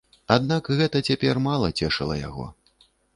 Аднак гэта цяпер мала цешыла яго.